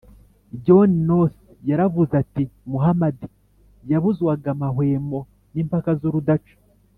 john noss yaravuze ati “[muhamadi] yabuzwaga amahwemo n’impaka z’urudaca